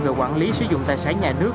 về quản lý sử dụng tài sản nhà nước